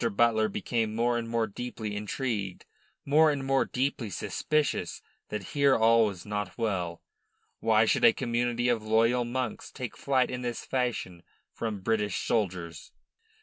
Butler became more and more deeply intrigued, more and more deeply suspicious that here all was not well. Why should a community of loyal monks take flight in this fashion from British soldiers?